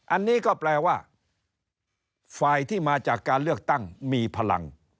อันนี้ก็แปลว่าฝ่ายที่มาจากการเลือกตั้งมีพลัง